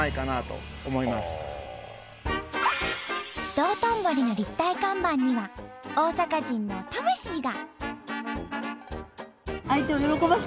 道頓堀の立体看板には大阪人の魂が。